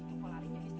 udah sampai juling